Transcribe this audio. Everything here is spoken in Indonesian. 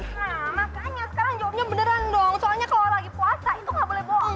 nah makanya sekarang jawabnya beneran dong soalnya kalau lagi puasa itu nggak boleh bohong